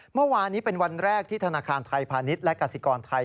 เมื่อวานนี้เป็นวันแรกที่ธนาคารไทยพาณิชย์และกสิกรไทย